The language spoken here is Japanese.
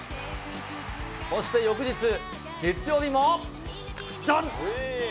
そして翌日、月曜日も、どん！